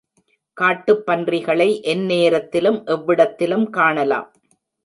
காட்டுப் பன்றிகளை எந்நேரத்திலும் எவ்விடத்திலும் காணலாம்.